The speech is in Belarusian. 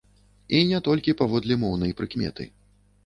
І не толькі паводле моўнай прыкметы.